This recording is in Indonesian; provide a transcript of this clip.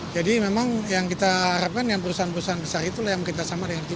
jadi memang yang kita harapkan yang perusahaan perusahaan besar itulah yang kita sama dengan juga